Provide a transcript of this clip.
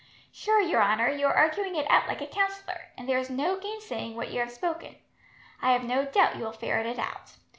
"Sure, your honour, you are arguing it out like a counsellor, and there is no gainsaying what you have spoken. I have no doubt you will ferret it out.